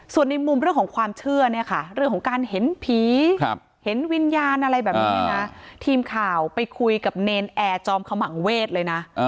ส่วนในมุมเรื่องของความเชื่อเนี่ยค่ะเรื่องของการเห็นผีเห็นวิญญาณอะไรแบบนี้นะทีมข่าวไปคุยกับเนรนแอร์จอมขมังเวทเลยนะ